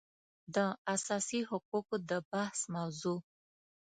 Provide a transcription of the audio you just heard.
د اساسي حقوقو د بحث موضوع